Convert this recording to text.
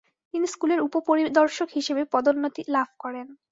তিনি স্কুলের উপপরিদর্শক হিসেবে পদন্নোতি লাভ করেন।